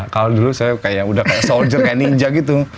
kalo dulu saya udah kayak soldier kayak ninja gitu